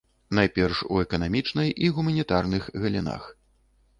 Найперш у эканамічнай і гуманітарных галінах.